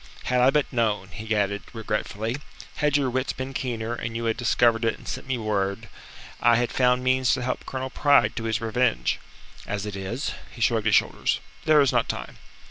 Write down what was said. Had I but known," he added regretfully "had your wits been keener, and you had discovered it and sent me word, I had found means to help Colonel Pride to his revenge. As it is" he shrugged his shoulders "there is not time."